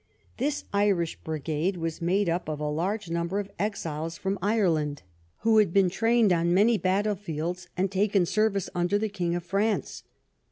This Irish brigade was made up of a large number of exiles from Ireland, who had been trained on many battle fields and had taken service under the King of France.